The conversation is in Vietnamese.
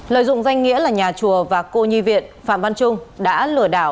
lợi dụng danh nghĩa là nhà chùa và cô nhi viện phạm văn trung đã lừa đảo